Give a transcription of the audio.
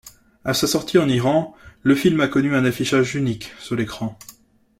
À sa sortie en Iran, le film a connu un affichage unique sur l'écran.